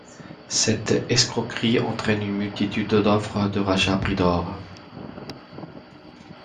Cette escroquerie entraîne une multitude d'offres de rachat à prix d'or.